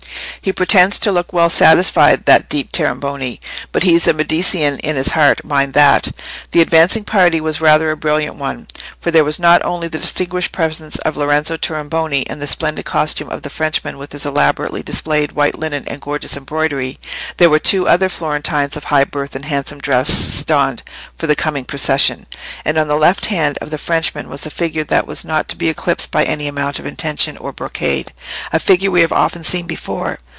"He pretends to look well satisfied—that deep Tornabuoni—but he's a Medicean in his heart: mind that." The advancing party was rather a brilliant one, for there was not only the distinguished presence of Lorenzo Tornabuoni, and the splendid costume of the Frenchman with his elaborately displayed white linen and gorgeous embroidery; there were two other Florentines of high birth in handsome dresses donned for the coming procession, and on the left hand of the Frenchman was a figure that was not to be eclipsed by any amount of intention or brocade—a figure we have often seen before.